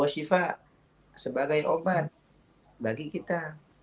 sebagai obat bagi kita